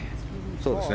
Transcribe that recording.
そうですね。